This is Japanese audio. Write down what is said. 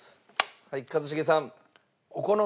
はい一茂さん。